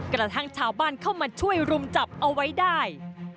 กระทั่งชาวบ้านเข้ามาช่วยรุมจับเอาไว้ได้